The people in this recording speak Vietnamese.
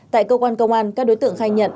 tại cơ quan công an các đối tượng khai nhận